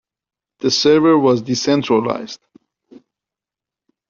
The server was decentralized.